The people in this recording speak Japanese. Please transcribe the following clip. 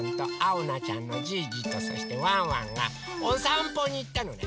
おなちゃんのじいじとそしてワンワンがおさんぽにいったのね。